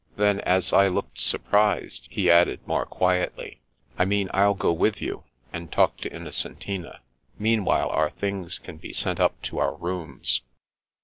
Then, as I looked surprised, he added, more quietly :" I mean I'll go with you, and talk to Innocentina. Meanwhile, our things can be sent up to our rooms."